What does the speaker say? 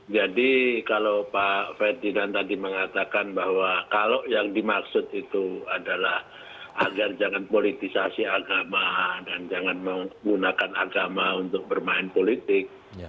jadi kalau pak ferdinand tadi mengatakan bahwa kalau yang dimaksud itu adalah agar jangan politisasi agama dan jangan menggunakan agama untuk bermain politik